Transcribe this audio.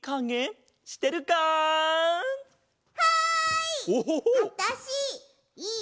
はい！